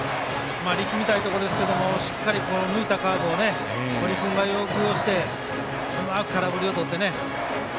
力みたいところですけどしっかり抜いたカーブを堀君が要求してうまく空振りをとってね。